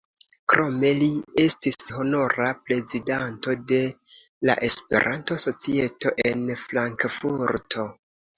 Krome li estis honora prezidanto de la Esperanto-Societo en Frankfurto.